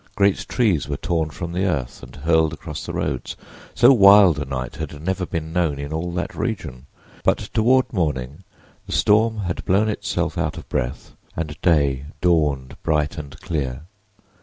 Great trees were torn from the earth and hurled across the roads. So wild a night had never been known in all that region, but toward morning the storm had blown itself out of breath and day dawned bright and clear.